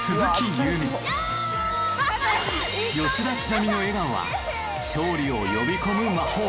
吉田知那美の笑顔は勝利を呼び込む魔法。